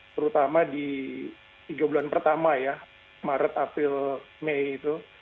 terutama di tiga bulan pertama ya maret april mei itu